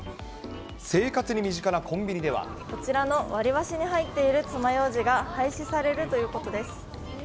こちらの割り箸に入っているつまようじが廃止されるということです。